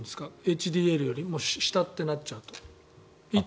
ＨＤＬよりも下ってなっちゃうと。